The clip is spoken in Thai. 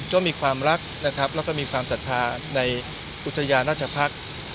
ก็มีความรักนะครับแล้วก็มีความศรัทธาในอุทยานราชภักษ์